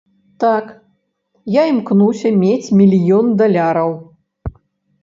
Так, я імкнуся мець мільён даляраў.